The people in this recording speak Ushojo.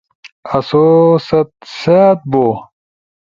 آسو ست سأت بو